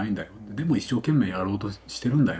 でも一生懸命やろうとしてるんだよ。